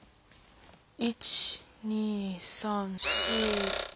１２３４５。